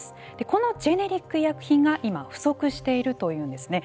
このジェネリック医薬品が今、不足しているというんですね。